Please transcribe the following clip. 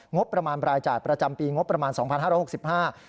งบประมาณปรายจาตรประจำปีงบประมาณ๒๕๖๕บาท